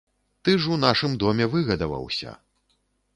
Ты ж у нашым доме выгадаваўся.